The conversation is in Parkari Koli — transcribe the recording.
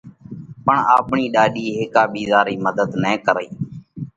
پڻ آپڻي ڏاڏي هيڪا ٻِيزا رئي مڌت نہ ڪرئي،